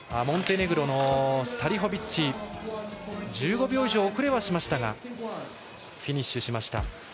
モンテネグロのサリホビッチは１５秒以上、遅れはしましたがフィニッシュしました。